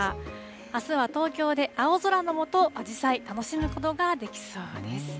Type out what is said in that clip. あすは東京で青空の下、アジサイ、楽しむことができそうです。